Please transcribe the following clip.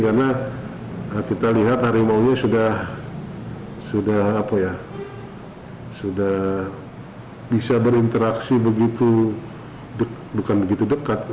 karena kita lihat harimau ini sudah bisa berinteraksi begitu dekat